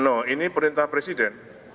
no ini perintah presiden